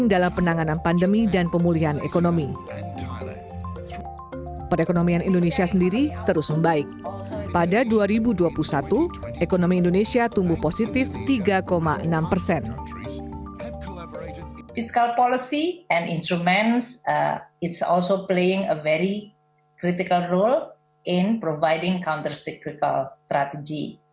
sebagai hasil di tahun dua ribu dua puluh satu ekonomi indonesia telah berkembang tiga enam puluh lima persen